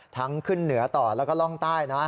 ขึ้นเหนือต่อแล้วก็ร่องใต้นะ